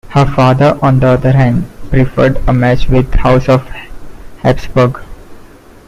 Her father, on the other hand, preferred a match with the House of Habsburg.